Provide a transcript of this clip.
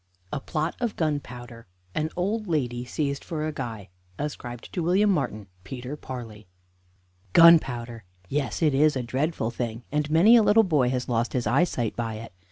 A PLOT OF GUNPOWDER: AN OLD LADY SEIZED FOR A GUY Ascribed to WILLIAM MARTIN ("PETER PARLEY") Gunpowder! Yes, it is a dreadful thing, and many a little boy has lost his eyesight by it.